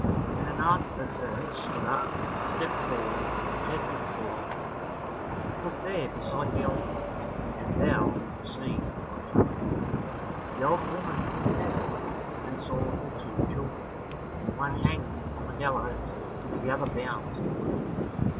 Then an aunt of hers stood up, stepped forward, and said to the poor old woman, "Look there beside the altar, and thou wilt see thy sons." The old woman looked there, and saw her two children, one hanging on the gallows, the other bound to the wheel.